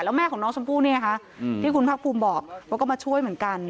แล้วแม่ของน้องชมพู่เนี่ยค่ะที่คุณภาคภูมิบอกว่าก็มาช่วยเหมือนกัน